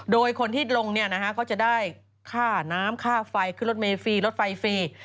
โดยคนที่ลงเขาจะได้ค่าน้ำค่าไฟขึ้นรถเมฟรีรถไฟฟรี